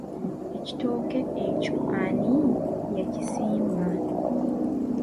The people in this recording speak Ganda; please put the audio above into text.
Ekitooke ekyo ani yakisimba?